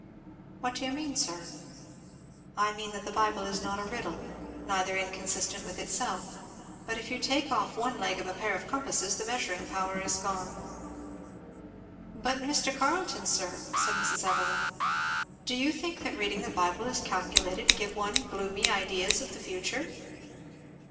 "What do you mean, sir?" "I mean that the Bible is not a riddle, neither inconsistent with itself; but if you take off one leg of a pair of compasses the measuring power is gone." "But Mr. Carleton, sir," said Mrs. Evelyn, "do you think that reading the Bible is calculated to give one gloomy ideas of the future?"